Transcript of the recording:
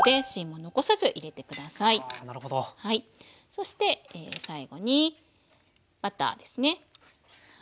そして最後にバターですね。